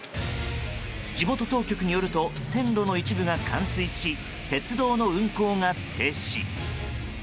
地元当局によると線路の一部が冠水し鉄道の運行が停止。